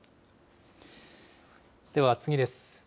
では次です。